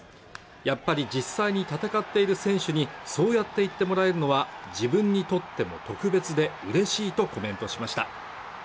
やっぱり実際に戦っている選手にそうやって言ってもらえるのは自分にとっても特別で嬉しいとコメントしました